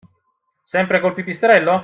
Sempre col pipistrello?